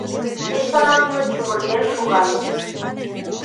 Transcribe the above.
Тиддеч вара нуно чумырген шогальыч